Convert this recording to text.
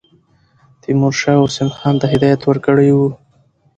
تیمورشاه حسین خان ته هدایت ورکړی وو.